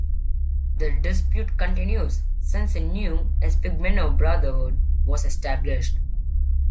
The dispute continues since a new "Esphigmenou brotherhood", was established.